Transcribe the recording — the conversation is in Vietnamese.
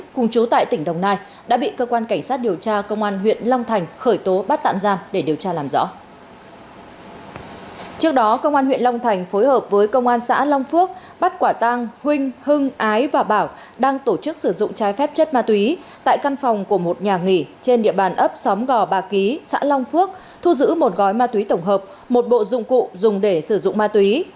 các quả tăng huynh hưng ái và bảo đang tổ chức sử dụng trái phép chất ma túy tại căn phòng của một nhà nghỉ trên địa bàn ấp xóm gò bà ký xã long phước thu giữ một gói ma túy tổng hợp một bộ dụng cụ dùng để sử dụng ma túy